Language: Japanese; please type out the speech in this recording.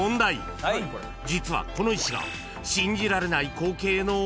［実はこの石が］